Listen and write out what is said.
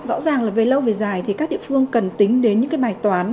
rõ ràng là về lâu về dài thì các địa phương cần tính đến những cái bài toán